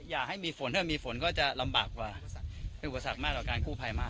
อย่าให้มีฝนถ้ามีฝนก็จะลำบากกว่าเป็นอุปสรรคมากกว่าการกู้ภัยมาก